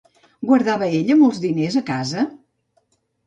Guardava ella molts diners a casa?